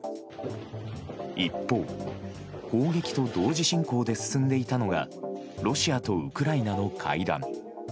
一方、砲撃と同時進行で進んでいたのがロシアとウクライナの会談。